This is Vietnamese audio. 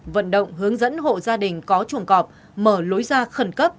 vận động hướng dẫn hộ gia đình có chuồng cọp mở lối ra khẩn cấp